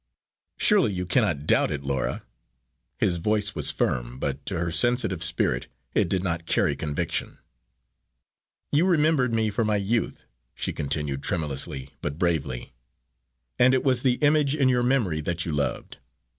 "Surely you cannot doubt it, Laura?" His voice was firm, but to her sensitive spirit it did not carry conviction. "You remembered me from my youth," she continued tremulously but bravely, "and it was the image in your memory that you loved.